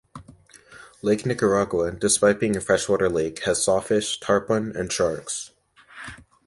Lake Nicaragua, despite being a freshwater lake, has sawfish, tarpon, and sharks.